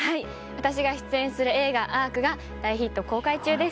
私が出演する映画『Ａｒｃアーク』が大ヒット公開中です。